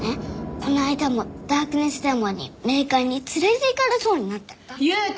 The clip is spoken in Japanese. この間もダークネスデーモンに冥界に連れていかれそうになったんだ！